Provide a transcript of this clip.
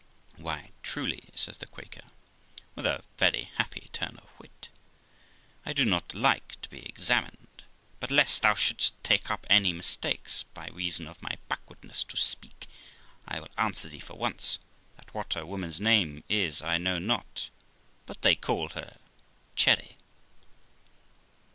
' Why, truly ', says the Quaker, with a very happy turn of wit, ' I do not like to be examined; but lest thou shouldest take up any mistakes by reason of my backwardness to speak, I will answer thee for once, that what her woman's name is I know not, but they call her Cherry.'